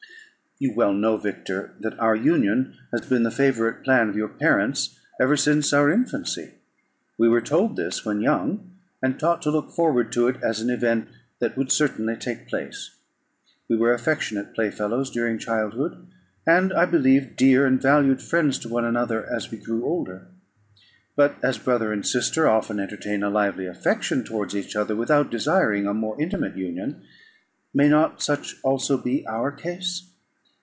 "You well know, Victor, that our union had been the favourite plan of your parents ever since our infancy. We were told this when young, and taught to look forward to it as an event that would certainly take place. We were affectionate playfellows during childhood, and, I believe, dear and valued friends to one another as we grew older. But as brother and sister often entertain a lively affection towards each other, without desiring a more intimate union, may not such also be our case?